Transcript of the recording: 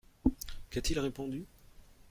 Qu’a-t-il répondu ?